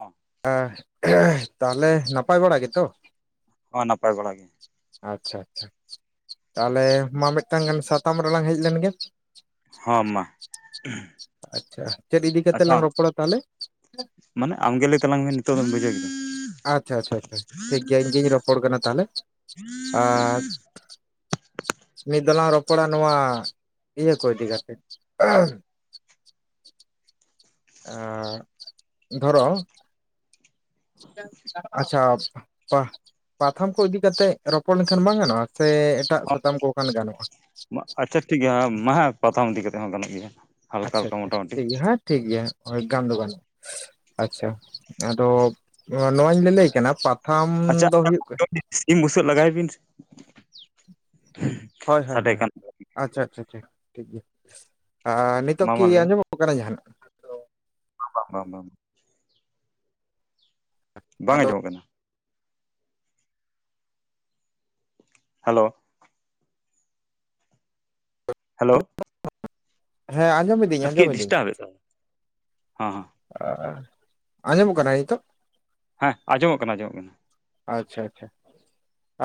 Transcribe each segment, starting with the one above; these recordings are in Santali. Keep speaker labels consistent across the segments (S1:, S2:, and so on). S1: ᱦᱚᱸ
S2: ᱦᱟᱸ ᱛᱟᱦᱚᱞᱮ ᱱᱟᱯᱟᱭ ᱵᱟᱲᱟ ᱜᱮᱛᱚ?
S1: ᱦᱚᱸ ᱱᱟᱯᱟᱭ ᱵᱟᱲᱟ ᱜᱮ ᱾
S2: ᱟᱪᱪᱷᱟ ᱟᱪᱪᱷᱟ ᱛᱟᱦᱚᱞᱮ ᱢᱟ ᱢᱤᱫᱴᱟᱝ ᱜᱟᱱ ᱥᱟᱛᱟᱢ ᱨᱮᱞᱟᱝ ᱦᱮᱡ ᱞᱮᱱ ᱜᱮ ᱾
S1: ᱦᱚ ᱢᱟ ᱾
S2: ᱟᱪᱪᱷᱟ ᱪᱮᱫ ᱤᱫᱤ ᱠᱟᱛᱮ ᱞᱟᱝ ᱨᱚᱯᱚᱲᱟ ᱛᱟᱦᱚᱞᱮ?
S1: ᱢᱟᱱᱮ ᱟᱢᱜᱮ ᱞᱟᱹᱭ ᱛᱟᱞᱟᱝ ᱢᱮ ᱱᱤᱛᱚᱜ ᱫᱚᱢ ᱵᱩᱡᱷᱟᱹᱣᱭᱟ
S2: ᱟᱪᱪᱷᱟ ᱟᱪᱪᱷᱟ ᱴᱷᱤᱠ ᱜᱮᱭᱟ ᱤᱧ ᱜᱤᱧ ᱨᱚᱯᱚᱲ ᱠᱟᱱᱟ ᱛᱟᱦᱞᱮ ᱟᱨ ᱱᱤᱛ ᱫᱚᱞᱟᱝ ᱨᱚᱯᱚᱲᱟ ᱱᱚᱣᱟ ᱤᱭᱟᱹ ᱠᱚ ᱤᱫᱤ ᱠᱟᱛᱮ ᱮᱸ ᱫᱷᱚᱨᱚ ᱟᱪᱪᱷᱟ ᱛᱚ ᱯᱟᱛᱷᱟᱢ ᱠᱚ ᱤᱫᱤ ᱠᱟᱛᱮᱫ ᱨᱚᱯᱚᱲ ᱞᱮᱱᱠᱷᱟᱱ ᱵᱟᱝ ᱜᱟᱱᱚᱜᱼᱟ ᱥᱮ ᱮᱴᱟᱜ
S1: ᱦᱚᱸ
S2: ᱥᱟᱛᱟᱢ ᱠᱚ ᱠᱷᱟᱱ ᱜᱟᱱᱚᱜᱼᱟ ᱾
S1: ᱟᱪᱪᱷᱟ ᱴᱷᱤᱠ ᱜᱮᱭᱟ ᱱᱟᱦᱟᱜ ᱯᱟᱛᱷᱟ ᱤᱫᱤ ᱠᱟᱛᱮᱫ ᱦᱚᱸ ᱜᱟᱱᱚᱜ ᱜᱮᱭᱟ ᱾
S2: ᱟᱪᱪᱷᱟ ᱟᱪᱪᱷᱟ ᱴᱷᱤᱠ ᱜᱮᱭᱟ ᱦᱮᱸ ᱴᱷᱤᱠᱜᱮᱭᱟ ᱜᱟᱱ ᱫᱚ ᱜᱟᱱᱚᱜᱼᱟ ᱾ ᱟᱪᱪᱷᱟ ᱟᱫᱚ ᱱᱚᱣᱟᱧ ᱞᱟᱹᱭᱞᱟᱹᱭ ᱠᱟᱱᱟ ᱯᱟ
S1: ᱟᱪᱪᱷᱟ ᱥᱤᱢ ᱵᱩᱥᱟᱹᱜ ᱞᱟᱜᱟᱭ ᱵᱤᱱ ᱥᱮ
S2: ᱦᱳᱭ ᱦᱳᱭ ᱦᱳᱭ ᱟᱪᱪᱷᱟ ᱟᱪᱪᱷᱟ ᱟᱪᱪᱷᱟ ᱟᱨ ᱱᱤᱛᱚᱜ
S1: ᱢᱟ ᱢᱟ
S2: ᱠᱤ
S1: ᱞᱟᱹᱭ
S2: ᱟᱸᱡᱚᱢᱚᱜ ᱠᱟᱱᱟ ᱡᱟᱦᱟᱱᱟᱜ
S1: [unintelligible] ᱵᱟᱝ
S2: ᱟᱫᱚ
S1: ᱟᱸᱡᱚᱢᱚᱜ ᱠᱟᱱᱟ ᱾ ᱦᱮᱞᱳ ᱦᱮᱞᱳ
S2: [unintelligible]
S1: ᱠᱮᱡ ᱰᱤᱥᱴᱵᱟᱮᱫ [unintelligible] ᱦᱚᱸ
S2: ᱚᱸ ᱟᱸᱡᱚᱢᱚᱜ ᱠᱟᱱᱟ ᱱᱤᱛᱚᱜ?
S1: ᱦᱮᱸ ᱟᱸᱡᱚᱢᱚᱜ ᱠᱟᱱᱟ ᱟᱸᱡᱚᱢᱚᱜ ᱠᱟᱱᱟ ᱾
S2: ᱟᱪᱪᱷᱟ ᱟᱪᱪᱷᱟ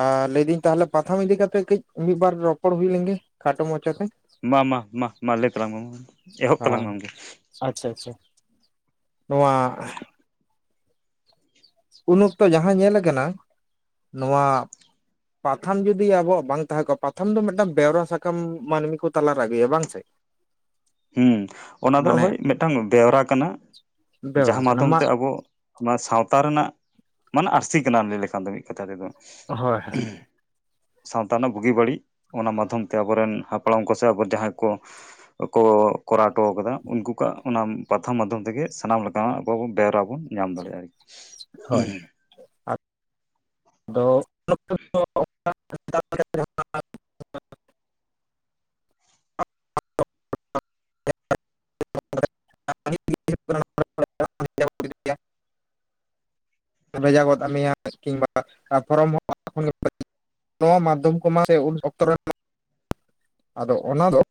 S2: ᱟᱨ ᱞᱟᱹᱭᱫᱟᱹᱧ ᱛᱟᱦᱚᱞᱮ ᱯᱟᱛᱷᱟᱢ ᱤᱫᱤ ᱠᱟᱛᱮᱜ ᱠᱟᱹᱡ ᱢᱤᱫ ᱵᱟᱨ ᱨᱚᱯᱚᱲ ᱦᱩᱭ ᱞᱮᱱᱜᱮ ᱠᱷᱟᱴᱚ ᱢᱚᱪᱟᱛᱮ
S1: ᱢᱟ ᱢᱟ ᱢᱟ ᱢᱟ ᱞᱟᱹᱭ ᱛᱟᱞᱟᱝ ᱢᱮ ᱢᱟ ᱮᱦᱚᱵ ᱛᱟᱞᱟᱝ ᱢᱮ ᱟᱢ ᱜᱮ
S2: ᱟᱪᱪᱷᱟ ᱟᱪᱪᱷᱟ ᱱᱚᱣᱟ ᱩᱱ ᱚᱠᱛᱚ ᱡᱟᱦᱟᱸ ᱧᱮᱞ ᱠᱟᱱᱟ ᱱᱚᱣᱟ ᱯᱟᱛᱷᱟᱢ ᱡᱩᱫᱤ ᱟᱵᱚᱣᱟᱜ ᱵᱟᱝ ᱛᱟᱦᱮᱸ ᱠᱚᱜᱼᱟ, ᱯᱟᱛᱷᱟᱢ ᱫᱚ ᱢᱤᱫᱴᱟᱝ ᱵᱮᱣᱨᱟ ᱥᱟᱠᱟᱢ ᱢᱟᱹᱱᱢᱤ ᱠᱚ ᱛᱟᱞᱟᱨᱮ ᱟᱹᱜᱩᱭᱟ ᱵᱟᱝ ᱥᱮ
S1: ᱦᱩᱸ ᱚᱱᱟ ᱫᱚ
S2: ᱢᱟᱱᱮ
S1: ᱦᱳᱭ ᱢᱤᱫᱴᱟᱝ ᱵᱮᱣᱨᱟ ᱠᱟᱱᱟ
S2: ᱵᱮᱣᱨᱟ
S1: ᱡᱟᱦᱟᱸ
S2: ᱠᱟᱱᱟ
S1: ᱢᱟᱫᱽᱫᱷᱚᱢ
S2: ᱢᱟ
S1: ᱛᱮ ᱟᱵᱚ ᱚᱱᱟ ᱥᱟᱶᱛᱟ ᱨᱮᱱᱟᱜ ᱢᱟᱱᱮ ᱟᱹᱨᱥᱤ ᱠᱟᱱᱟᱢ ᱞᱟᱹᱭ ᱞᱮᱠᱷᱟᱱ ᱫᱚ ᱢᱤᱫ ᱠᱟᱛᱷᱟ ᱛᱮᱫᱚ
S2: ᱦᱳᱭ ᱦᱳᱭ
S1: ᱥᱟᱶᱛᱟ ᱨᱮᱱᱟᱜ ᱵᱩᱜᱤ ᱵᱟᱹᱲᱤᱡ ᱚᱱᱟ ᱢᱟᱫᱽᱫᱷᱚᱢ ᱛᱮ ᱟᱵᱚᱨᱮᱱ ᱦᱟᱯᱲᱟᱢ ᱠᱚᱥᱮ ᱟᱵᱚ ᱡᱟᱦᱟᱸᱭ ᱠᱚ ᱠᱚ ᱠᱚᱨᱟᱣ ᱦᱚᱴᱚ ᱠᱟᱫᱟ ᱩᱱᱠᱩ ᱠᱚᱣᱟᱜᱼᱟ ᱾ ᱚᱱᱟ ᱯᱟᱛᱷᱟᱢ ᱢᱟᱫᱽᱫᱷᱚᱢ ᱛᱮᱜᱮ ᱥᱟᱱᱟᱢ ᱞᱮᱠᱟᱱᱟᱜ ᱟᱵᱚᱵᱚ ᱵᱮᱣᱨᱟ ᱵᱚᱱ ᱧᱟᱢ ᱫᱟᱲᱮᱭᱟᱜᱼᱟ ᱟᱨᱠᱤ
S2: ᱦᱳᱭ [inaudible] [inaudible] [inaudible] ᱵᱷᱮᱡᱟ ᱜᱚᱫ ᱢᱮᱭᱟ [inaudible] ᱠᱤᱢᱵᱟ [inaudible] ᱱᱚᱣᱟ ᱢᱟᱫᱽᱫᱷᱚᱢ ᱠᱚᱢᱟ ᱥᱮ ᱩᱱ ᱚᱠᱛᱚ ᱨᱮᱱᱟᱜ [inaudible] ᱟᱫᱚ ᱚᱱᱟ ᱫᱚ [inaudible]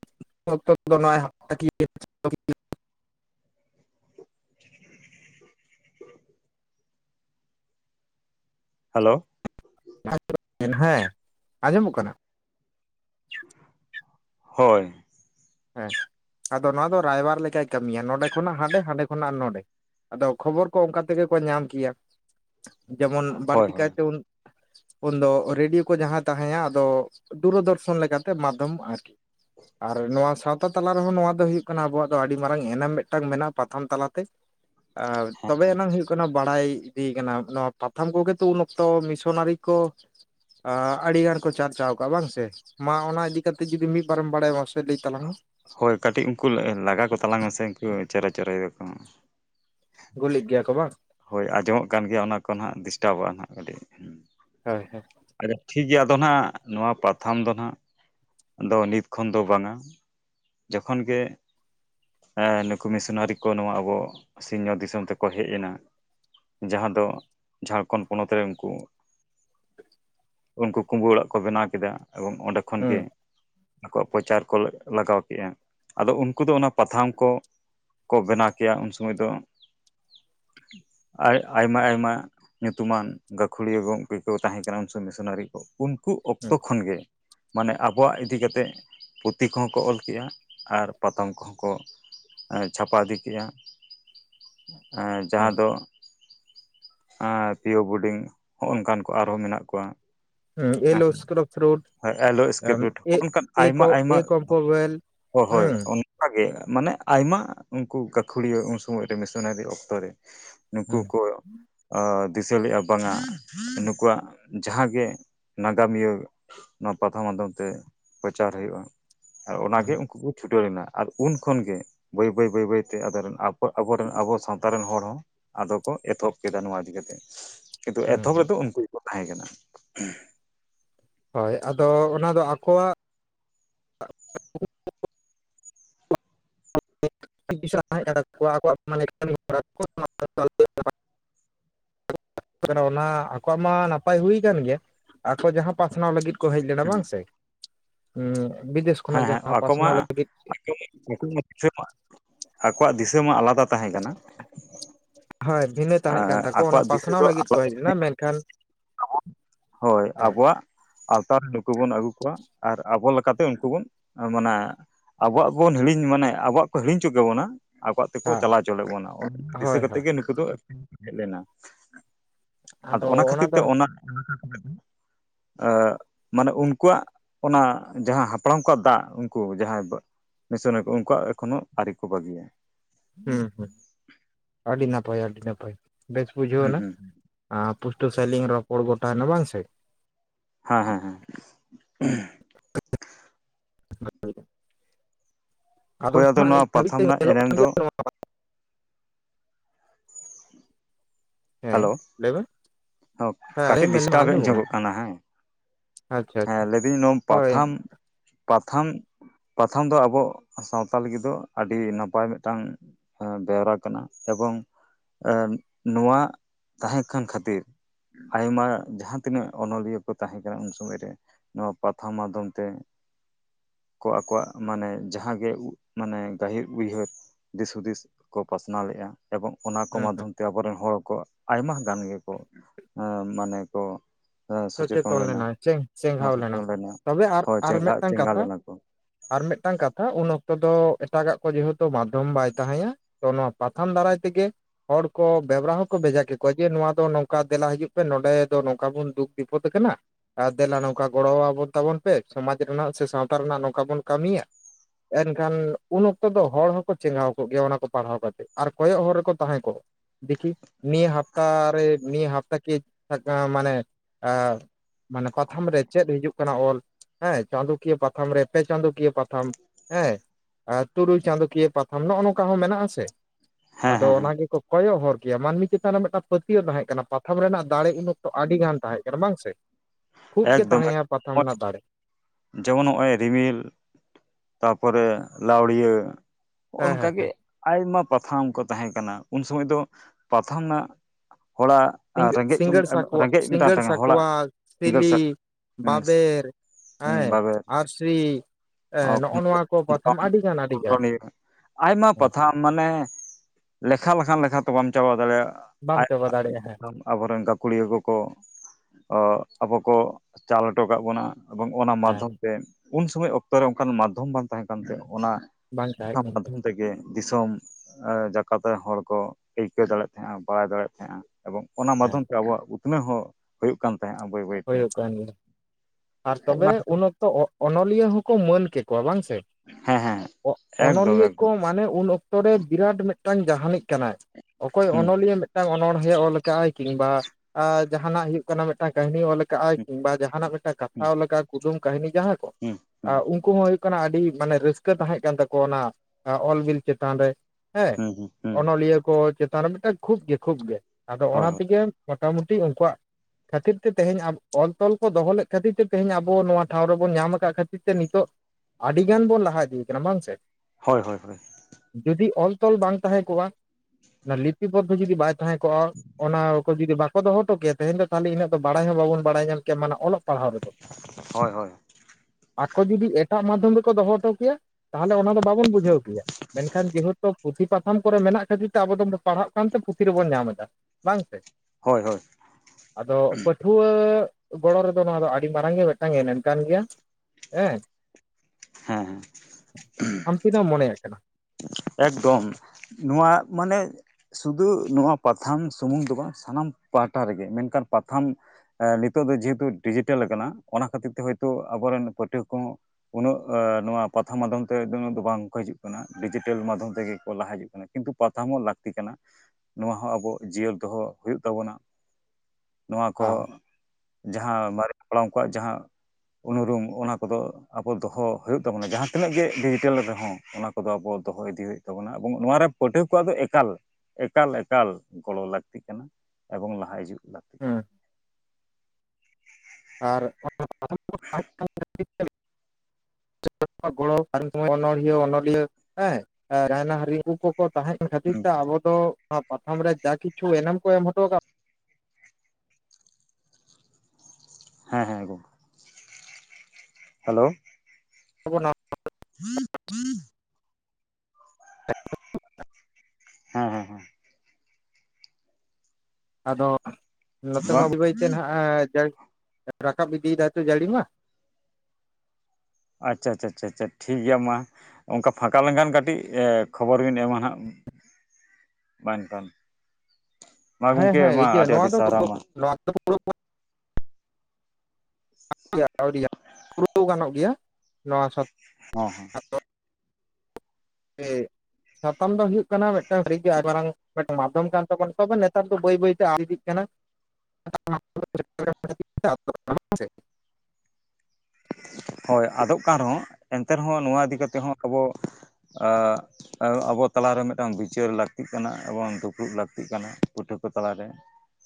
S1: ᱦᱮᱞᱳ
S2: [inaudible] ᱦᱮᱸ ᱟᱸᱡᱚᱢᱚᱜ ᱠᱟᱱᱟ
S1: ᱦᱳᱭ
S2: ᱦᱮᱸ ᱟᱫᱚ ᱱᱚᱣᱟ ᱫᱚ ᱨᱟᱭᱵᱟᱨ ᱞᱮᱠᱟᱭ ᱠᱟᱹᱢᱤᱭᱟ ᱱᱚᱰᱮ ᱠᱷᱚᱱᱟᱜ ᱦᱟᱸᱰᱮ ᱦᱟᱸᱰᱮ ᱠᱷᱚᱱᱟᱜ ᱱᱚᱰᱮ ᱟᱫᱚ ᱠᱷᱚᱵᱚᱨ ᱠᱚ ᱚᱱᱠᱟ ᱛᱮᱜᱮ ᱠᱚ ᱧᱟᱢ ᱠᱮᱭᱟ ᱡᱮᱢᱚᱱ
S1: ᱦᱳᱭ
S2: ᱵᱟᱹᱲᱛᱤ
S1: ᱦᱳᱭ
S2: ᱠᱟᱭᱛᱮ ᱩᱱᱫᱚ ᱨᱮᱰᱤᱭᱳ ᱠᱚ ᱡᱟᱦᱟᱸ ᱛᱟᱦᱮᱸᱭᱟ ᱟᱫᱚ ᱫᱩᱨᱚᱫᱚᱨᱥᱚᱱ ᱞᱮᱠᱟᱛᱮ ᱢᱟᱫᱽᱫᱷᱚᱢ ᱟᱨᱠᱤ ᱟᱨ ᱱᱚᱣᱟ ᱥᱟᱶᱛᱟ ᱛᱟᱞᱟ ᱨᱮᱦᱚᱸ ᱱᱚᱣᱟ ᱫᱚ ᱦᱩᱭᱩᱜᱜ ᱠᱟᱱᱟ ᱟᱵᱚᱣᱟᱜ ᱫᱚ ᱟᱹᱰᱤ ᱢᱟᱨᱟᱝ ᱮᱱᱮᱢ ᱢᱤᱫᱴᱟᱝ ᱢᱮᱱᱟᱜᱼᱟ ᱯᱟᱛᱷᱟᱢ ᱛᱟᱞᱟᱛᱮ ᱛᱚᱵᱮ ᱮᱱᱟᱝ ᱦᱩᱭᱩᱜ ᱵᱟᱲᱟᱭ ᱤᱫᱤᱭ ᱠᱟᱱᱟ ᱱᱚᱣᱟ ᱯᱟᱛᱷᱟᱢ ᱠᱚᱜᱮᱛᱩ ᱩᱱ ᱚᱠᱛᱚ ᱢᱤᱥᱚᱱᱟᱨᱤ ᱠᱚ ᱟᱹᱰᱤ ᱜᱟᱱ ᱠᱚ ᱪᱟᱨᱪᱟᱣ ᱠᱚᱜᱼᱟ ᱵᱟᱝ ᱥᱮ ᱢᱟ ᱚᱱᱟ ᱤᱫᱤᱠᱟ ᱠᱟᱛᱮ ᱡᱩᱫᱤ ᱢᱤᱫ ᱵᱟᱨᱮᱢ ᱵᱟᱲᱟᱭᱟ ᱥᱮ ᱞᱟᱹᱭ ᱛᱟᱞᱟᱝ ᱢᱮ
S1: ᱦᱳᱭ ᱠᱟᱹᱴᱤᱡ ᱩᱱᱠᱩ ᱞᱟᱜᱟ ᱠᱚ ᱛᱟᱟᱞᱟᱝ ᱢᱮᱥᱮ ᱩᱱᱠᱩ ᱪᱮᱨᱚ ᱪᱮᱨᱚᱹᱭ ᱫᱟᱠᱚ
S2: ᱜᱩᱞ ᱜᱮᱭᱟ ᱠᱚ ᱵᱟᱝ
S1: ᱦᱳᱭ ᱟᱸᱡᱚᱢᱚᱜ ᱠᱟᱱ ᱜᱮᱭᱟ ᱚᱱᱟ ᱠᱚ ᱱᱟᱦᱟᱜ ᱰᱤᱥᱴᱟᱵᱚᱜᱼᱟ ᱱᱟᱦᱟᱜ ᱠᱟᱹᱴᱤᱡᱸ
S2: ᱦᱮ ᱦᱮ
S1: ᱟᱪᱪᱷᱟ ᱴᱷᱤᱠ ᱜᱮᱭᱟ ᱟᱫᱚ ᱱᱟᱦᱟᱜ ᱱᱚᱣᱟ ᱯᱟᱛᱷᱟᱢ ᱫᱚ ᱱᱟᱜ ᱱᱤᱛ ᱠᱷᱚᱱ ᱫᱚ ᱵᱟᱝᱟ ᱡᱚᱠᱷᱚᱱ ᱜᱮ ᱱᱩᱠᱩ ᱢᱤᱥᱚᱱᱟᱨᱤ ᱠᱚ ᱱᱚᱣᱟ ᱟᱵᱚ ᱥᱤᱧᱚᱛᱚᱛ ᱫᱤᱥᱚᱢ ᱛᱮᱠᱚ ᱦᱮᱡ ᱮᱱᱟ ᱡᱟᱦᱟᱸ ᱫᱚ ᱡᱷᱟᱲᱠᱷᱚᱸᱰ ᱯᱚᱱᱚᱛ ᱨᱮ ᱩᱱᱠᱩ ᱩᱱᱠᱩ ᱠᱩᱵᱟᱹ ᱚᱲᱟᱜ ᱠᱚ ᱵᱮᱱᱟᱣ ᱠᱮᱫᱟ ᱮᱵᱚᱝ ᱚᱸᱰᱮ ᱠᱷᱚᱱ
S2: ᱦᱩᱸ
S1: ᱜᱮ ᱟᱠᱚᱣᱟᱜ ᱯᱨᱚᱪᱟᱨ ᱠᱚ ᱞᱟᱜᱟᱣ ᱠᱮᱫᱟ ᱟᱫᱚ ᱩᱱᱠᱩ ᱫᱚ ᱚᱱᱟ ᱯᱟᱛᱷᱟᱢ ᱠᱚ ᱠᱚ ᱵᱮᱱᱟᱣ ᱠᱮᱭᱟ ᱩᱱ ᱥᱚᱢᱚᱭ ᱫᱚ ᱟᱭᱢᱟ ᱟᱭᱢᱟ ᱧᱩᱛᱩᱢᱟᱱ ᱜᱟᱹᱠᱷᱩᱲᱤᱭᱟᱹ ᱜᱚᱢᱠᱮ ᱠᱚ ᱛᱟᱦᱮᱸ ᱠᱟᱱᱟ ᱩᱱ ᱥᱚᱢᱚᱭ ᱢᱤᱥᱚᱱᱟᱨᱤ ᱠᱚ ᱩᱱ ᱠᱩ
S2: ᱦᱩᱸ
S1: ᱚᱠᱛᱚ ᱠᱷᱚᱱ ᱜᱮ ᱢᱟᱱᱮ ᱟᱵᱚᱣᱟᱜ ᱤᱫᱤ ᱠᱟᱛᱮᱮᱫ ᱯᱩᱛᱷᱤ ᱠᱚᱦᱚᱸ ᱠᱚ ᱚᱞ ᱠᱮᱜᱼᱟ ᱟᱨ ᱯᱟᱛᱚᱢ ᱠᱚᱦᱚᱸ ᱠᱚ ᱪᱷᱟᱯᱟ ᱤᱫᱤ ᱠᱮᱜᱼᱟ ᱮ
S2: ᱦᱩᱸ
S1: ᱡᱟᱦᱟᱸ ᱫᱚ ᱟᱸ ᱯᱤᱭᱤᱭᱳ ᱵᱳᱰᱤᱝ ᱦᱚᱸᱜᱚᱝᱠᱟᱱ ᱠᱚ ᱟᱨᱦᱚᱸ ᱢᱮᱱᱟᱜ ᱠᱚᱣᱟ᱾
S2: ᱦᱩᱸ ᱮᱞᱳ ᱥᱠᱨᱚᱯ ᱯᱷᱨᱩᱴ
S1: ᱦᱟᱸ ᱮᱞ ᱳ ᱤᱥᱠᱤᱵᱨᱩᱴ
S2: ᱮ
S1: ᱦᱚᱸᱜᱼ ᱱᱚᱝᱠᱟᱱ
S2: ᱮ
S1: ᱟᱭᱢᱟ
S2: ᱠᱚ
S1: ᱟᱭᱢᱟ
S2: [unintelligible]
S1: ᱚ ᱦᱳᱭ
S2: ᱦᱩᱸ
S1: ᱚᱱ ᱚᱱᱠᱟᱜᱮ ᱢᱟᱱᱮ ᱟᱭᱢᱟ ᱩᱱᱠᱩ ᱜᱟᱹᱠᱷᱩᱲᱤᱭᱟᱹ ᱩᱱ ᱥᱚᱢᱚᱭ ᱨᱮ ᱢᱮᱤᱥᱚᱱᱟᱨᱤ ᱚᱠᱛᱚ ᱨᱮ ᱱᱩᱠᱩ
S2: ᱦᱩᱸ
S1: ᱠᱚ ᱫᱤᱥᱟᱹ ᱞᱮᱫᱼᱟ ᱵᱟᱝᱟ ᱱᱩᱠᱩᱣᱟᱜ ᱡᱟᱦᱟᱸ‌ ᱜᱮ ᱱᱟᱜᱟᱢᱤᱭᱟᱹ ᱱᱚᱣᱟ ᱯᱟᱛᱷᱟ ᱢᱟᱫᱽᱫᱷᱚᱢ ᱛᱮ ᱯᱨᱚᱪᱟᱨ ᱦᱩᱭᱩᱜᱭᱼᱟ ᱟᱨ ᱚᱱᱟᱜᱤ
S2: ᱦᱩᱸ
S1: ᱩᱱᱠᱩ ᱠᱩ ᱪᱷᱩᱴᱟᱹᱣᱱᱟ᱾ ᱟᱨ ᱩᱱ ᱠᱷᱚᱱ ᱜᱮ ᱵᱟᱹᱭ ᱵᱟᱹᱭ ᱵᱟᱹᱭ ᱵᱟᱹᱭ ᱛᱮ ᱟᱵ ᱟᱵᱚᱨᱮᱱ ᱟᱵᱚ ᱥᱟᱶᱛᱟ ᱨᱮᱱ ᱦᱚᱲ ᱦᱚᱸ᱾ ᱟᱫᱚ ᱠᱚ ᱮᱛᱚᱦᱚᱵ ᱠᱮᱫᱟ ᱱᱚᱣᱟ ᱤᱫᱤ ᱠᱟᱛᱮᱜ ᱠᱤᱱᱛᱩ
S2: ᱦᱩᱸ
S1: ᱮᱛᱚᱦᱚᱵ ᱨᱮᱫᱚ ᱩᱱᱠᱩ ᱜᱮᱠᱚ ᱛᱟᱸᱦ ᱠᱟᱱᱟ᱾
S2: ᱦᱳᱭ ᱟᱫᱚ ᱚᱱᱟ ᱫᱚ ᱟᱠᱚᱣᱟᱜ [unintelligible] [unintelligible] ᱚᱱᱟ ᱟᱠᱚᱣᱟᱜ ᱢᱟ ᱱᱟᱯᱟᱭ ᱦᱩᱭ ᱟᱠᱟᱱ ᱜᱮᱭᱟ ᱟᱠᱚ ᱡᱟᱦᱟᱸ ᱯᱟᱥᱱᱟᱣ ᱞᱟᱹᱜᱤᱫ ᱠᱚ ᱦᱮᱡ ᱞᱮᱱᱟ
S1: ᱦᱮᱸ
S2: ᱵᱟᱝ ᱥᱮ ᱵᱤᱫᱮᱥ
S1: ᱦᱮᱸ
S2: ᱠᱷᱚᱱᱟᱜ
S1: ᱦᱮᱸ
S2: ᱡᱟᱦᱟᱸ
S1: ᱟᱠᱚ ᱢᱟ
S2: ᱯᱟᱥᱱᱟᱣ ᱞᱟᱹᱜᱤᱫ
S1: [unintelligible] ᱟᱠᱚᱣᱟᱜ ᱫᱤᱥ ᱫᱤᱥᱟᱹ ᱢᱟ ᱟᱞᱟᱫᱟ ᱛᱟᱦᱮᱸ ᱠᱟᱱᱟ᱾
S2: ᱦᱳᱭ ᱵᱷᱤᱱᱟᱹ ᱛᱟᱦᱮᱸᱫ ᱠᱟᱱ ᱛᱟᱠᱚ ᱚᱱᱟ
S1: ᱟᱠᱚᱣᱟᱜ ᱫᱤᱥᱟᱹ
S2: ᱯᱟᱥᱱᱟᱣ
S1: ᱫᱚ ᱟᱞᱟᱫᱟ
S2: ᱞᱟᱹᱜᱤᱫ ᱠᱚ ᱦᱮᱡ ᱞᱮᱱᱟ, ᱢᱮᱱᱠᱷᱟᱱ
S1: ᱦᱳᱭ
S2: ᱦᱮᱸ
S1: ᱟᱵᱚᱣᱟᱜ ᱟᱣᱛᱟᱨᱣ ᱱᱩᱠᱩ ᱵᱚᱱ ᱟᱹᱜᱩ ᱠᱚᱣᱟ ᱟᱨ ᱟᱵᱚ ᱞᱮᱠᱟᱛᱮ ᱩᱱᱠᱩ ᱵᱚᱱ ᱢᱟᱱᱮ ᱟᱵᱚᱣᱟᱜ ᱵᱚᱱ ᱦᱤᱲᱤᱧ ᱢᱟᱱᱮ ᱟᱵᱚᱣᱟᱜ ᱠᱚ ᱦᱤᱲᱤᱧ ᱦᱚᱪᱚ ᱠᱮᱵᱚᱱᱟ, ᱟᱠᱚᱣᱟᱜ ᱛᱮᱠᱚ
S2: ᱦᱮᱸ
S1: ᱪᱟᱞᱟᱣ ᱪᱚ ᱵᱚᱱᱟ ᱚᱱᱟ ᱫᱤᱥᱟᱹ
S2: ᱦᱳᱭ ᱦᱳᱭ
S1: ᱠᱟᱛᱮᱜ ᱜᱮ ᱱᱩᱠᱩ ᱫᱚ ᱦᱮᱡ ᱞᱮᱱᱟ᱾ ᱟᱫᱚ ᱚᱱᱟ ᱠᱷᱟᱹᱛᱤᱨ ᱛᱮ ᱚᱱᱟ [unintelligible] ᱮ ᱢᱟᱱᱮ ᱩᱱᱠᱩᱣᱟᱜ ᱚᱱᱟ ᱡᱟᱦᱟᱸ ᱦᱟᱯᱲᱟᱢ ᱠᱚᱣᱟᱜ ᱫᱟᱜ ᱩᱱᱠᱩ ᱡᱟᱦᱟᱸᱭᱼ- ᱢᱮᱥᱚᱱ ᱟᱠᱚ ᱩᱱᱠᱩ ᱮᱠᱷᱚᱱᱚ ᱟᱹᱣᱨᱤ ᱠᱚ ᱵᱟᱹᱜᱤᱭᱟ᱾
S2: ᱦᱩᱸ ᱦᱩᱸ ᱟᱹᱰᱤ ᱱᱟᱯᱟᱭ ᱟᱹᱰᱤ ᱱᱟᱯᱟᱭ ᱵᱮᱥ ᱵᱩᱡᱷᱟᱹᱣ
S1: ᱦᱩᱸ
S2: ᱱᱟ᱾
S1: ᱦᱩᱸ
S2: ᱟᱸ ᱯᱩᱥᱴᱟᱹ ᱥᱟᱞᱤᱝ ᱨᱚᱯᱚᱲ ᱜᱚᱴᱟᱭᱮᱱᱟ ᱵᱟᱝ ᱥᱮ᱾
S1: ᱦᱮᱸ ᱦᱮᱸ ᱦᱮᱸ
S2: [unintelligible]
S1: ᱦᱳᱭ ᱟᱫᱚ
S2: ᱱᱟᱦᱟᱜ ᱱᱤᱛ
S1: ᱱᱚᱣᱟ
S2: ᱫᱷᱟᱹᱵᱤᱡ
S1: ᱯᱟᱛᱷᱟᱢ
S2: ᱛᱮ
S1: ᱨᱮᱱᱟᱜ
S2: ᱧᱮᱞᱚᱜ
S1: ᱮᱱᱮᱢ
S2: ᱠᱟᱱ
S1: ᱫᱚ
S2: ᱜᱮᱭᱟ ᱱᱚᱣᱟ ᱦᱮᱸ
S1: ᱦᱮᱞᱳ
S2: ᱞᱟᱹᱭ ᱵᱮᱱ
S1: ᱦᱚᱠ
S2: ᱦᱮᱸ
S1: ᱠᱟᱹᱴᱤᱡ
S2: ᱢᱮᱱ ᱢᱮ
S1: ᱰᱤᱥᱴᱟᱵ
S2: ᱟᱸᱡᱚᱢᱚᱜ
S1: ᱟᱡᱚᱜᱚᱜ ᱠᱟᱱᱟ ᱦᱮᱸ᱾
S2: ᱟᱪᱪᱷᱟ
S1: ᱦᱮᱸ
S2: ᱟᱪᱪᱷᱟ
S1: ᱞᱟᱹᱭᱫᱟᱹᱧ ᱱᱚ
S2: ᱦᱳᱭ
S1: ᱯᱟᱛᱷᱟᱢ ᱯᱟᱛᱷᱟᱢ᱾ ᱯᱟᱛᱷᱟᱢ ᱫᱚ ᱟᱵᱚ ᱥᱟᱶᱛᱟ ᱞᱟᱹᱜᱤᱫ ᱫᱚ ᱟᱹᱰᱤ ᱱᱟᱯᱟᱭ ᱢᱤᱫᱴᱟᱝ ᱵᱮᱣᱨᱟ ᱠᱟᱱᱟ ᱮᱵᱚᱝ ᱱᱚᱣᱟ ᱛᱟᱦᱮᱸ ᱠᱟᱱ ᱠᱷᱟᱹᱛᱤᱨ ᱟᱭᱢᱟ ᱡᱟᱦᱟᱸ ᱛᱤᱱᱟᱹᱜ ᱚᱱᱚᱞᱤᱭᱟᱹ ᱠᱚ ᱛᱟᱦᱮᱸ ᱠᱟᱱᱟ ᱩᱱ ᱥᱚᱢᱚᱭ ᱨᱮ ᱱᱚᱣᱟ ᱯᱟᱛᱷᱟ ᱢᱟᱫᱽᱫᱷᱚᱢ ᱛᱮ, ᱠᱚ ᱟᱠᱚᱣᱟᱜ ᱢᱟᱱᱮ ᱡᱟᱦᱟᱸᱜᱮ ᱢᱟᱱᱮ ᱜᱟᱹᱦᱤᱨ ᱩᱭᱦᱟᱹᱨ ᱫᱤᱥ ᱦᱩᱫᱤᱥ ᱠᱚ ᱯᱟᱥᱱᱟᱣ ᱞᱮᱜᱼᱟ᱾ ᱮᱵᱚᱝ ᱚᱱᱟ ᱠᱚ
S2: ᱦᱩᱸ ᱦᱩᱸ
S1: ᱢᱟᱫᱽᱫᱷᱚᱢ ᱛᱮ ᱟᱵᱚᱨᱮᱱ ᱦᱚᱲ ᱠᱚ ᱟᱭᱢᱟ ᱜᱟᱱ ᱜᱮᱠᱚ ᱢᱟᱱᱮ ᱠᱚ ᱥᱚᱪᱮᱛᱚᱱ
S2: ᱥᱮᱪᱮᱛᱚᱱ
S1: ᱞᱮᱱᱟ
S2: ᱞᱮᱱᱟᱭ ᱪᱮᱸᱜᱷᱟᱣ ᱞᱮᱱᱟᱭ
S1: ᱥᱚᱪᱮᱛᱚᱱ ᱞᱮᱱᱟ
S2: ᱛᱚᱵᱮ ᱟᱨ
S1: ᱦᱳᱭ
S2: ᱟᱨ
S1: ᱪᱮᱸᱜᱷᱟ
S2: ᱢᱤᱫᱴᱟᱝ
S1: ᱪᱮᱸᱜᱷᱟ
S2: ᱠᱟᱛᱷᱟ
S1: ᱞᱮᱱᱟ ᱠᱚ
S2: ᱟᱨ ᱢᱤᱫᱴᱟᱝ ᱠᱟᱛᱷᱟ ᱩᱱ ᱚᱠᱛᱚ ᱫᱚ ᱮᱴᱟᱜᱟᱜ ᱠᱚ ᱡᱮᱦᱮᱛᱩ ᱢᱟᱫᱽᱫᱷᱚᱢ ᱵᱟᱭ ᱛᱟᱦᱮᱭᱟ᱾ ᱛᱚ ᱱᱚᱣᱟ ᱯᱟᱛᱷᱟᱢ ᱫᱟᱨᱟᱭ ᱛᱮᱜᱮ ᱦᱚᱲ ᱠᱚ ᱵᱮᱵᱽᱨᱟ ᱦᱚᱸᱠᱚ ᱵᱷᱮᱡᱟ ᱠᱮᱠᱚᱣᱟ ᱡᱮ ᱱᱚᱣᱟ ᱫᱚ ᱱᱚᱝᱠᱟ ᱫᱮᱞᱟ ᱦᱤᱡᱩᱜ ᱯᱮ ᱱᱚᱸᱰᱮ ᱫᱚ ᱱᱚᱝᱠᱟ ᱵᱚᱱ ᱫᱩᱠ ᱵᱤᱯᱚᱫ ᱠᱟᱱᱟ, ᱟᱨ ᱫᱮᱞᱟ ᱱᱚᱝᱠᱟ ᱜᱚᱲᱚ ᱟᱵᱚᱱ ᱛᱟᱵᱚᱱ ᱯᱮ ᱥᱚᱢᱟᱡᱽ ᱨᱮᱱᱟᱜ ᱥᱮ ᱥᱟᱶᱛᱟ ᱨᱮᱱᱟᱜ ᱱᱚᱝᱠᱟ ᱵᱚᱱ ᱠᱟᱹᱢᱤᱭᱟ᱾ ᱮᱱᱠᱷᱟᱱ ᱩᱱ ᱚᱠᱛᱚ ᱫᱚ ᱦᱚᱲ ᱦᱚᱸᱠᱚ ᱪᱮᱸᱜᱟᱣ ᱠᱚᱜ ᱜᱮᱭᱟ ᱚᱱᱟ ᱠᱚ ᱯᱟᱲᱦᱟᱣ ᱠᱟᱛᱮᱫ ᱟᱨ ᱠᱚᱭᱚᱜ ᱦᱚᱨ ᱨᱮᱠᱚ ᱛᱟᱦᱮᱸ ᱠᱚᱜᱼᱟ᱾ ᱫᱮᱠᱷᱤ ᱱᱤᱭᱟᱹ ᱦᱟᱯᱛᱟᱨᱮ ᱱᱤᱭᱟᱹ ᱦᱟᱯᱛᱟ ᱠᱤ ᱢᱟᱱᱮ ᱟ ᱢᱟᱱᱮ ᱯᱟᱛᱷᱟᱢ ᱨᱮ ᱪᱮᱫ ᱦᱤᱡᱩᱜ ᱠᱟᱱᱟ ᱚᱞ ᱦᱮᱸ ᱪᱟᱸᱫᱳᱠᱤᱭᱟᱹ ᱯᱟᱛᱷᱟᱢ ᱨᱮ ᱯᱮ ᱪᱟᱸᱫᱳ ᱠᱤᱭᱟᱹ ᱯᱟᱛᱷᱟᱢ, ᱦᱮᱸ ᱟᱨ ᱛᱩᱨᱩᱭ ᱪᱟᱸᱫᱳᱠᱤᱭᱟᱹ ᱯᱟᱛᱷᱟᱢ ᱱᱚᱜᱼᱚ ᱱᱚᱝᱠᱟ ᱦᱚᱸ ᱢᱮᱱᱟᱜᱼᱟ ᱟ ᱥᱮ?
S1: ᱦᱮᱸ
S2: ᱟᱫᱚ
S1: ᱦᱮᱸ ᱦᱮᱸ
S2: ᱚᱱᱟ ᱜᱮᱠᱚ ᱠᱚᱭᱚᱜ ᱦᱚᱨ ᱠᱮᱭᱟ ᱢᱟᱹᱱᱢᱤ ᱪᱮᱛᱟᱱ ᱨᱮ ᱢᱤᱫᱴᱟᱝ ᱯᱟᱹᱛᱤᱭᱟᱹᱣ ᱛᱟᱦᱮᱸ ᱠᱟᱱᱟ ᱯᱟᱛᱷᱟᱢ ᱨᱮᱱᱟᱜ ᱫᱟᱲᱮ ᱩᱱᱟᱹ᱾ ᱛᱚ ᱟᱹᱰᱤ ᱜᱟᱱ ᱛᱟᱦᱮᱸ ᱠᱟᱱᱟ ᱵᱟᱝ ᱥᱮ ᱠᱷᱩᱵ ᱜᱮ
S1: ᱮᱠᱫᱚᱢᱚ ᱮᱠ
S2: ᱛᱟᱦᱮᱸᱼᱟ ᱯᱟᱛᱷᱟᱢ ᱨᱮᱱᱟᱜ ᱫᱟᱲᱮ
S1: ᱡᱮᱢᱚᱱ ᱱᱚᱜᱼᱚᱭ ᱨᱤᱢᱤᱞ ᱛᱟᱯᱚᱨᱮ ᱞᱟᱹᱣᱲᱤᱭᱟᱹ ᱦᱚᱸᱜ
S2: ᱦᱮᱸ
S1: ᱱᱚᱝᱠᱟ ᱜᱮ
S2: ᱦᱮᱸ
S1: ᱟᱭᱢᱟ ᱯᱟᱛᱷᱟᱢ ᱠᱚ ᱛᱟᱦᱮᱸ ᱠᱟᱱᱟ ᱩᱱ ᱥᱚᱢᱚᱭ ᱫᱚ ᱯᱟᱛᱷᱟᱢ ᱱᱟᱜ ᱚᱲᱟᱜ
S2: ᱥᱤᱜᱟᱹᱲ ᱥᱟᱠᱚᱣᱟ ᱥᱤᱜᱟᱹᱲ
S1: ᱦᱚᱲᱟᱜ
S2: ᱥᱟᱠᱚᱣᱟ
S1: ᱥᱤᱸᱜᱟᱹᱲ
S2: ᱴᱷᱤᱞᱤ
S1: ᱥᱟᱠᱟᱢ
S2: ᱵᱟᱵᱮᱨ ᱦᱮᱸ
S1: ᱵᱟᱵᱮᱨ
S2: ᱟᱨᱥᱤ ᱮ ᱱᱚᱜᱼᱚ ᱱᱚᱣᱟ ᱠᱚ ᱯᱟᱛᱷᱟᱢ ᱟᱹᱰᱤᱜᱟᱱ ᱟᱹᱰᱤᱜᱟᱱ
S1: ᱟᱭᱢᱟ ᱯᱟᱛᱷᱟᱢ ᱢᱟᱱᱮ ᱞᱮᱠᱷᱟ ᱞᱮᱠᱷᱟᱱ ᱞᱮᱠᱷᱟ ᱛᱮ ᱵᱟᱢ ᱪᱟᱵᱟ ᱫᱟᱲᱮᱭᱟᱜᱼᱟ᱾
S2: ᱵᱟᱢ ᱪᱟᱵᱟ ᱫᱟᱲᱮᱭᱟᱜᱼᱟ ᱦᱟᱸᱜ
S1: ᱟᱵᱚᱨᱮᱱ ᱜᱟᱠᱚᱲᱤᱭᱟᱹ ᱠᱚᱠᱚ ᱟᱵᱚ ᱠᱚ ᱪᱟᱞ ᱦᱚᱴᱚ ᱠᱟ ᱵᱚᱱᱟ ᱮᱵᱚᱝ ᱚᱱᱟ
S2: ᱦᱮᱸ
S1: ᱢᱟᱫᱽᱫᱷᱚᱢ ᱛᱮ ᱩᱱ ᱥᱚᱢᱚᱭ ᱚᱠᱛᱚᱨᱮ ᱚᱱᱠᱟᱱ ᱢᱟᱫᱽᱫᱷᱚᱢ ᱵᱟᱝ ᱛᱟᱦᱮᱸ ᱠᱟᱱᱛᱮ ᱚᱱᱟ
S2: ᱵᱟᱝ ᱛᱟᱦᱮᱸ
S1: ᱚᱱᱟ
S2: ᱠᱟᱱ ᱛᱟᱦᱮᱸ
S1: ᱢᱟᱫᱷᱚᱢ ᱛᱮ ᱜᱮ ᱫᱤᱥᱚᱢ ᱡᱟᱠᱟᱛ ᱨᱮᱱ ᱦᱚᱲ ᱠᱚ ᱟᱹᱭᱠᱟᱹᱣ ᱫᱟᱲᱮᱭᱟᱜ ᱛᱟᱦᱮᱸᱜᱼᱟ ᱵᱟᱲᱟᱭ ᱫᱟᱲᱮᱭᱟᱜ ᱛᱟᱦᱮᱸᱜᱼᱟ᱾ ᱮᱵᱚᱝ ᱚᱱᱟ
S2: ᱦᱮᱸ
S1: ᱢᱟᱫᱽᱫᱷᱚᱢ ᱛᱮ ᱟᱵᱚᱣᱟᱜ ᱩᱛᱱᱟᱹᱣ ᱦᱚᱸ ᱦᱩᱭᱩᱜ ᱠᱟᱱ ᱛᱟᱦᱮᱸᱫ
S2: ᱦᱩᱭᱩᱜ ᱠᱟᱱ ᱜᱮᱭᱟ ᱟᱨ ᱛᱚᱵᱮ
S1: ᱚᱱᱟ
S2: ᱩᱱ ᱚᱠᱛᱚ ᱚᱱᱚᱞᱤᱭᱟᱹ ᱦᱚᱸᱠᱚ ᱢᱟᱹᱱ ᱠᱮᱠᱚᱣᱟ ᱵᱟᱝ ᱥᱮ
S1: ᱦᱮᱸ ᱦᱮᱸ
S2: ᱚ
S1: ᱮᱠᱫᱚᱢ
S2: ᱚᱱᱚᱞᱤᱭᱟᱹ
S1: ᱮᱠᱫᱚᱢ
S2: ᱠᱚᱢ ᱢᱟᱱᱮ ᱩᱱ ᱚᱠᱛᱚᱮ ᱵᱤᱨᱟᱴ ᱢᱤᱫᱴᱟᱝ ᱡᱟᱦᱟᱸᱱᱤ ᱠᱟᱱᱟᱭ ᱚᱠᱚᱭ
S1: ᱦᱩᱸ
S2: ᱚᱱᱚᱞᱤᱭᱟᱹ ᱢᱤᱫᱴᱟᱝ ᱚᱱᱚᱲᱦᱮᱸ ᱚᱞ ᱟᱠᱟᱜᱟᱭ ᱠᱤᱢᱵᱟ ᱡᱟᱦᱟᱸᱱᱟᱜ ᱦᱩᱭᱩᱜ ᱠᱟᱱᱟ ᱢᱤᱫᱴᱟᱝ ᱠᱟᱹᱦᱤᱱᱤ ᱚᱞ ᱟᱠᱟᱜ ᱠᱟᱜ ᱟᱭ
S1: ᱦᱩᱸ
S2: ᱠᱤᱢᱵᱟ ᱡᱟᱦᱟᱱᱟᱜ ᱞᱮᱠᱟ
S1: ᱦᱩᱸ
S2: ᱠᱟᱛᱷᱟᱣ ᱞᱮᱠᱟ ᱠᱩᱫᱩᱢ ᱠᱟᱹᱦᱱᱤ ᱡᱟᱦᱟᱸ
S1: ᱦᱩᱸ ᱦᱩᱸ
S2: ᱩᱱᱠᱩ ᱦᱚᱸ ᱦᱩᱭᱩᱜ ᱠᱟᱱᱟ ᱟᱹᱰᱤ ᱢᱟᱱᱮ ᱨᱟᱹᱥᱠᱟᱹ ᱨᱟᱹᱥᱠᱟᱹ ᱛᱟᱦᱮᱸ ᱠᱟᱱ ᱛᱟᱠᱚᱣᱟ ᱚᱱᱟ ᱚᱞ ᱵᱤᱞ ᱪᱮᱛᱟᱱ ᱨᱮ ᱦᱮᱸ
S1: ᱦᱩᱸ ᱦᱩᱸ ᱦᱩᱸ
S2: ᱚᱱᱚᱞᱤᱭᱟᱹ ᱠᱚ ᱪᱮᱛᱟᱱ ᱨᱮ ᱢᱤᱫᱴᱟᱱ ᱠᱷᱩᱵ ᱜᱮ ᱠᱷᱩᱵ ᱜᱮ ᱟᱫᱚ
S1: ᱦᱳᱭ
S2: ᱚᱱᱟ ᱛᱮᱜᱮ ᱢᱚᱴᱟᱢᱩᱴᱤ ᱩᱱᱠᱩᱣᱟᱜ ᱠᱷᱟᱹᱛᱤᱨ ᱛᱮᱦᱮᱧ ᱚᱞ ᱛᱚᱞ ᱠᱚ ᱫᱚᱦᱚ ᱞᱮᱫ ᱠᱷᱟᱹᱛᱤᱨ ᱛᱮ ᱛᱮᱦᱤᱧ ᱟᱵᱚ ᱱᱚᱣᱟ ᱴᱷᱟᱶ ᱨᱮᱵᱚᱱ ᱧᱟᱢ ᱟᱠᱟᱫ ᱠᱷᱟᱹᱛᱤᱨ ᱛᱮ ᱱᱤᱛᱚᱜ ᱟᱹᱰᱤ ᱜᱟᱱ ᱵᱚᱱ ᱞᱟᱦᱟ ᱤᱫᱤ ᱟᱠᱟᱱᱟ ᱵᱟᱝ ᱥᱮ
S1: ᱦᱳᱭ ᱦᱳᱭ ᱦᱳᱭ
S2: ᱡᱩᱫᱤ ᱚᱞ ᱛᱚᱞ ᱵᱟᱝ ᱛᱟᱦᱮᱸ ᱠᱚᱜᱼᱟ ᱚᱱᱟ ᱞᱤᱯᱤ ᱯᱚᱫᱷᱚ ᱡᱩᱫᱤ ᱵᱟᱭ ᱛᱟᱦᱮᱸ ᱠᱚᱜᱼᱟ ᱚᱱᱟᱠᱚ ᱡᱩᱫᱤ ᱵᱟᱠᱚ ᱫᱚᱦᱚ ᱦᱚᱴᱚ ᱠᱮᱭᱟ ᱛᱮᱦᱮᱧ ᱫᱚ ᱛᱟᱦᱚᱞᱮ ᱤᱱᱟᱹᱜ ᱵᱟᱲᱟᱭ ᱦᱚᱸ ᱵᱟᱵᱚᱱ ᱵᱟᱲᱟᱭ ᱧᱟᱢ ᱠᱮᱭᱟ ᱢᱟᱱᱮ ᱚᱞᱚᱜ ᱯᱟᱲᱦᱟᱣ ᱨᱮᱫᱚ
S1: ᱦᱳᱭ ᱦᱳᱭ
S2: ᱟᱠᱚ ᱡᱩᱫᱤ ᱮᱴᱟᱜ ᱢᱟᱫᱽᱫᱷᱚᱢ ᱨᱮᱠᱚ ᱫᱚᱦᱚ ᱦᱚᱴᱚ ᱠᱮᱭᱟ ᱛᱟᱦᱚᱞᱮ ᱚᱱᱟ ᱫᱚ ᱵᱟᱵᱚᱱ ᱵᱩᱡᱷᱟᱹᱣ ᱠᱮᱭᱟ ᱢᱮᱱᱠᱷᱟᱱ ᱡᱮᱦᱮᱛᱩ ᱯᱩᱛᱷᱤ ᱯᱟᱛᱷᱟᱢ ᱠᱚᱨᱮ ᱢᱮᱱᱟᱜ ᱠᱷᱟᱹᱛᱤᱨ ᱛᱮ ᱟᱵᱚ ᱫᱚᱱ ᱯᱟᱲᱦᱟᱜ ᱠᱟᱱᱛᱮ ᱯᱩᱛᱷᱤ ᱨᱮᱵᱚᱱ ᱧᱟᱢ ᱮᱫᱟ᱾ ᱵᱟᱝ ᱥᱮ
S1: ᱦᱳᱭ ᱦᱳᱭ
S2: ᱟᱫᱚ ᱯᱟᱹᱴᱷᱩᱣᱟᱹ ᱜᱚᱲᱚ ᱨᱮᱫᱚ ᱱᱚᱣᱟ ᱫᱚ ᱟᱹᱰᱤ ᱢᱟᱨᱟᱝ ᱜᱮ ᱢᱤᱫᱴᱟᱝ ᱮᱱᱮᱢ ᱜᱮᱭᱟ ᱦᱮᱸ
S1: ᱦᱮᱸ ᱦᱮᱸ
S2: ᱪᱮᱫ ᱮᱢ ᱢᱚᱱᱮᱭᱟᱜ ᱠᱟᱱᱟ
S1: ᱮᱠᱫᱚᱢ ᱱᱚᱣᱟ ᱢᱟᱱᱮ ᱥᱩᱫᱩ ᱱᱚᱣᱟ ᱯᱟᱛᱷᱟᱢ ᱥᱩᱢᱩᱝ ᱫᱚ ᱵᱟᱝ ᱥᱟᱱᱟᱢ ᱯᱟᱦᱴᱟ ᱨᱮᱜᱮ ᱢᱮᱱᱠᱷᱟᱱ ᱯᱟᱛᱷᱟᱢ ᱱᱤᱛᱚᱜ ᱫᱚ ᱡᱮᱦᱮᱛᱩ ᱰᱤᱡᱤᱴᱮᱞ ᱟᱠᱟᱱᱟ ᱚᱱᱟ ᱠᱷᱟᱹᱛᱤᱨ ᱛᱮ ᱦᱚᱭᱛᱳ ᱟᱵᱚᱨᱮᱱ ᱯᱟᱹᱴᱷᱩᱣᱟᱹ ᱠᱚᱦᱚᱸ ᱩᱱᱟᱹᱜ ᱱᱚᱣᱟ ᱯᱟᱛᱷᱟ ᱢᱟᱫᱽᱫᱷᱚᱢ ᱛᱮ ᱩᱱᱟᱹᱜ ᱫᱚ ᱵᱟᱝ ᱠᱚ ᱦᱤᱡᱩᱜ ᱠᱟᱱᱟ ᱰᱤᱡᱤᱴ ᱴᱮᱞ ᱢᱟᱫᱽᱫᱷᱚᱢ ᱛᱮᱜᱮ ᱠᱚ ᱞᱟᱦᱟ ᱦᱤᱡᱩᱜ ᱠᱟᱱᱟ ᱠᱤᱱᱛᱩ ᱯᱟᱛᱷᱟᱢ ᱦᱚ ᱞᱟᱹᱠᱛᱤ ᱠᱟᱱᱟ ᱱᱚᱣᱟ ᱦᱚᱸ ᱟᱵᱚ ᱡᱤᱭᱟᱹᱲ ᱫᱚᱦᱚ ᱦᱩᱭᱩᱜ ᱛᱟᱵᱚᱱᱟ ᱱᱚᱣᱟ ᱠᱚ ᱡᱟᱦᱟᱸ ᱢᱟᱨᱮ ᱦᱟᱯᱲᱟᱢ ᱠᱚᱣᱟᱜ ᱡᱟᱦᱟᱸ ᱩᱱᱩᱨᱩᱢ ᱚᱱᱟ ᱠᱚᱫᱚ ᱟᱵᱚ ᱫᱚᱦᱚ ᱦᱩᱭᱩᱜ ᱛᱟᱵᱚᱱᱟ ᱡᱟᱦᱟᱸ ᱛᱤᱱᱟᱹᱜ ᱜᱮ ᱰᱤᱡᱤᱴᱮᱞ ᱨᱮᱦᱚᱸ ᱚᱱᱟ ᱠᱚᱫᱚ ᱟᱵᱚ ᱫᱚᱦᱚ ᱤᱫᱤ ᱦᱩᱭᱩᱜ ᱛᱟᱵᱚᱱᱟ ᱮᱵᱚᱝ ᱱᱚᱣᱟ ᱨᱮ ᱯᱟᱹᱴᱷᱩᱣᱟᱹ ᱠᱚᱣᱟᱜ ᱫᱚ ᱮᱠᱟᱞ ᱮᱠᱟᱞ ᱮᱠᱟᱞ ᱜᱚᱲᱚ ᱞᱟᱹᱠᱛᱤ ᱠᱟᱱᱟ ᱮᱵᱚᱝ ᱞᱟᱦᱟ ᱦᱤᱡᱩᱜ ᱞᱟᱹᱠᱛᱤ
S2: ᱦᱮᱸ ᱟᱨ ᱚᱱᱟ ᱛᱟᱦᱮᱸ [inaudible] [inaudible] ᱚᱱᱚᱲᱦᱤᱭᱟᱹ ᱚᱱᱚᱞᱦᱤᱭᱟᱹ ᱦᱮᱸ ᱨᱟᱭᱱᱟ ᱦᱟᱨᱤ ᱛᱟᱦᱮᱸᱱ ᱠᱷᱟᱱ ᱠᱷᱟᱹᱛᱤᱨ
S1: ᱦᱩᱸ
S2: ᱛᱮ ᱟᱵᱚ ᱫᱚ ᱯᱟᱛᱷᱟᱢ ᱨᱮ ᱡᱟ ᱠᱤᱪᱷᱩ ᱮᱱᱮᱢ ᱠᱚ ᱮᱢ ᱦᱚᱴᱚ ᱟᱠᱟᱫ
S1: ᱦᱮᱸ ᱦᱮᱸ ᱜᱚᱝᱠᱮ, ᱦᱮᱞᱳ,
S2: ᱟᱵᱚ [inaudible]
S1: [inaudible] ᱦᱮᱸ ᱦᱮᱸ ᱦᱮᱸ,
S2: ᱟᱫᱚ ᱱᱚᱛᱮ
S1: ᱵᱟᱝ
S2: ᱢᱟ ᱵᱟᱹᱭ ᱵᱟᱹᱭᱛᱮ ᱱᱟᱦᱟᱜ ᱮ ᱡᱟ ᱨᱟᱠᱟᱵ ᱤᱫᱤᱭᱮᱫᱟᱭ ᱛᱚ ᱡᱟᱹᱲᱤ ᱢᱟ,
S1: ᱟᱪᱪᱷᱟ ᱪᱷᱟᱷᱟ ᱴᱷᱤᱠ ᱜᱮᱭᱟ ᱢᱟ᱾ ᱚᱱᱠᱟ ᱯᱷᱟᱸᱠᱟ ᱞᱮᱱᱠᱷᱟᱱ ᱠᱟᱹᱴᱤᱡ ᱠᱷᱚᱵᱚᱨ ᱵᱤᱱ ᱮᱢᱟ ᱦᱟᱜ, ᱢᱟ ᱮᱱᱠᱷᱟᱱ ᱢᱟ
S2: ᱦᱮᱸ
S1: ᱜᱚᱝᱠᱮ
S2: ᱦᱮᱸ
S1: ᱢᱟ
S2: ᱤᱭᱟᱹ
S1: ᱟᱹᱰᱤ
S2: ᱱᱚᱣᱟ
S1: ᱟᱹᱰᱤ
S2: ᱫᱚ
S1: ᱥᱟᱨᱦᱟᱣ ᱢᱟ᱾
S2: [inaudible] [inaudible] ᱯᱩᱨᱟᱹᱣ ᱜᱟᱱᱚᱜ ᱜᱮᱭᱟ ᱱᱚᱣᱟ
S1: ᱦᱚ ᱦᱚ,
S2: ᱥᱮ, ᱥᱟᱛᱟᱢ ᱫᱚ ᱦᱩᱭᱩᱜ ᱠᱟᱱᱟ ᱢᱤᱫᱴᱟᱝ ᱟᱰᱤ ᱜᱤ ᱟᱰᱤ ᱢᱟᱨᱟᱝ ᱢᱤᱫᱴᱟᱝ ᱢᱟᱫᱽᱫᱷᱚᱢ ᱠᱟᱱ ᱛᱟᱵᱚᱱᱟ ᱛᱚᱵᱮ ᱱᱮᱛᱟᱨ ᱫᱚ ᱵᱟᱹᱭ ᱵᱟᱹᱭᱛᱮ ᱟᱫ ᱤᱫᱤᱜ ᱠᱟᱱᱟ᱾ [inaudible]
S1: ᱦᱳᱭ ᱟᱫᱚᱜ ᱠᱟᱱ ᱨᱮᱦᱚᱸ ᱮᱱᱛᱮ ᱨᱮᱦᱚᱸ ᱱᱚᱣᱟ ᱤᱫᱤ ᱠᱟᱛᱮᱫ ᱦᱚᱸ ᱟᱵᱚ ᱟᱵᱚ ᱛᱟᱞᱟᱨᱮ ᱢᱤᱫᱴᱟᱝ ᱵᱤᱪᱟᱹᱨ ᱞᱟᱹᱠᱛᱤᱜ ᱠᱟᱱᱟ ᱮᱵᱚᱝ ᱫᱩᱯᱲᱩᱵ ᱞᱟᱹᱠᱛᱤᱜ ᱠᱟᱱᱟ ᱯᱟᱹᱴᱷᱩᱣᱟᱹ ᱠᱚ ᱛᱟᱞᱟᱨᱮ,
S2: [inaudible]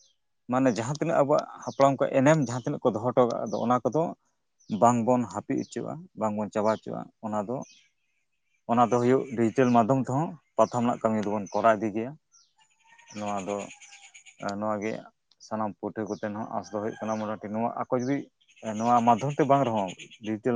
S1: ᱢᱟᱱᱮ ᱡᱟᱦᱟᱸ ᱛᱤᱱᱟᱹᱜ ᱟᱵᱚᱣᱟᱜ ᱦᱟᱯᱲᱟᱢ ᱠᱚᱣᱟᱜ ᱮᱱᱮᱢ ᱡᱟᱦᱟᱸ ᱛᱤᱱᱟᱹᱜ ᱠᱚ ᱫᱚᱦᱚ ᱦᱚᱴᱚ ᱠᱟᱜᱼᱟ ᱚᱱᱟ ᱠᱚᱫᱚ ᱵᱟᱝᱵᱚᱱ ᱦᱟᱹᱯᱤᱫ ᱦᱚᱪᱚᱣᱟᱜᱼᱟ ᱵᱟᱝᱵᱚᱱ ᱪᱟᱵᱟ ᱦᱚᱪᱚᱣᱟᱜᱼᱟ ᱚᱱᱟ ᱫᱚ ᱚᱱᱟ ᱫᱚ ᱦᱩᱭᱩᱜ ᱰᱤᱡᱤᱴᱮᱞ ᱢᱟᱫᱽᱫᱷᱚᱢ ᱛᱮᱦᱚᱸ ᱯᱟᱛᱷᱟᱢ ᱨᱮᱱᱟᱜ ᱠᱟᱹᱢᱤ ᱫᱚᱵᱚᱱ ᱠᱚᱨᱟᱣ ᱤᱫᱤ ᱜᱮᱭᱟ ᱱᱚᱣᱟ ᱫᱚ ᱮᱸᱜ ᱱᱚᱣᱟ ᱜᱮ ᱥᱟᱱᱟᱢ ᱯᱟᱹᱴᱷᱩᱣᱟᱹ ᱠᱚᱴᱷᱮᱱ ᱦᱚᱸ ᱟᱸᱥ ᱫᱚᱦᱚ ᱦᱩᱭᱩᱜ ᱠᱟᱱᱟ ᱢᱚᱴᱟᱢᱩᱴᱤ ᱱᱚᱣᱟ ᱟᱠᱚ ᱡᱩᱫᱤ ᱱᱚᱣᱟ ᱢᱟᱫᱽᱫᱷᱚᱢ ᱛᱮ ᱵᱟᱝ ᱨᱮᱦᱚᱸ ᱰᱤᱡᱤᱴᱮᱞ